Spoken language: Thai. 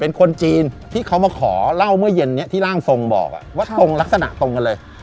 เป็นคนจีนที่เขามาขอเล่าเมื่อเย็นนี้ที่ร่างทรงบอกว่าตรงลักษณะตรงกันเลย